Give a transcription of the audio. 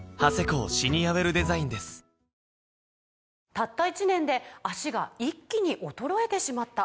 「たった１年で脚が一気に衰えてしまった」